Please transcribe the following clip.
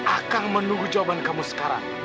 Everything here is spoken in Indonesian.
akan menunggu jawaban kamu sekarang